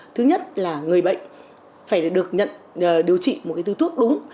thứ nhất là người bệnh phải được nhận điều trị một cái tư thuốc đúng